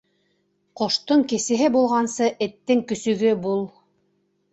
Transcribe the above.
Ҡоштоң кесеһе булғансы, эттең көсөгө бул.